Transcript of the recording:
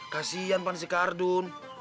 kasian pak si kardun